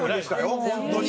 本当に。